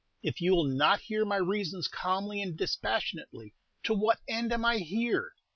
If you will not hear my reasons calmly and dispassionately, to what end am I here?